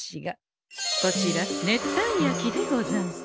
こちら熱帯焼きでござんす。